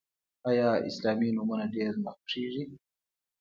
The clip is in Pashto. آیا اسلامي نومونه ډیر نه خوښیږي؟